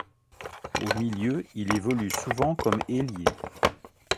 Au milieu, il évolue souvent comme ailier.